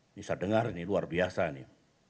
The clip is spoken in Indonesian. ini saya dengar ini luar biasa nih